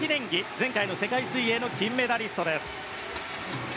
前回の世界水泳、金メダリスト。